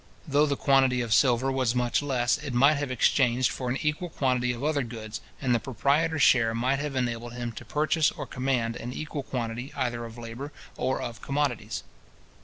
Though the quantity of silver was much less, it might have exchanged for an equal quantity of other goods, and the proprietor's share might have enabled him to purchase or command an equal quantity either of labour or of commodities.